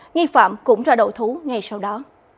nghi phạm cũng ra đổ thú ngay sau đó